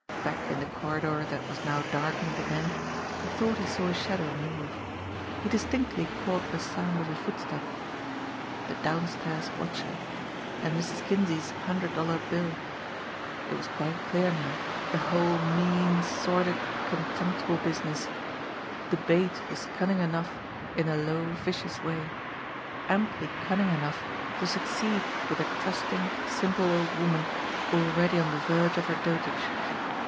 Back in the corridor that was now darkened again he thought he saw a shadow move ; he distinctly caught the sound of a footstep. The down stairs watcher and Mrs. Kinsey's hundred dollar bill! It was quite clear now, the whole mean, sordid, contemptible 54 JIMMIE DALE AND THE PHANTOM CLUE business. The bait was cunning enough in a low, vicious way ; amply cunning enough to succeed with a trusting, sim ple old woman already on the verge of her dotage.